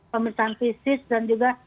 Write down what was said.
pemerintahan fisik dan juga